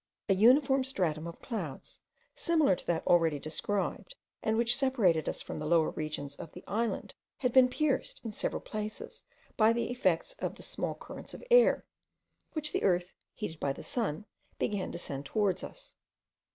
A uniform stratum of clouds, similar to that already described, and which separated us from the lower regions of the island, had been pierced in several places by the effect of the small currents of air, which the earth, heated by the sun, began to send towards us.